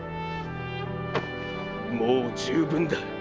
もう十分だ。